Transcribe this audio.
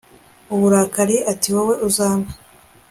uburakari atiwowe uzampe